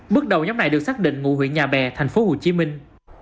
bước đầu nhóm này được xác định ngụ huyện nhà bè thành phố hồ chí minh